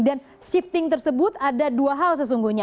dan shifting tersebut ada dua hal sesungguhnya